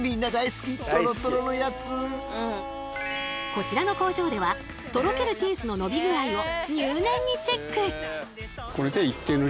こちらの工場ではとろけるチーズの伸び具合を入念にチェック。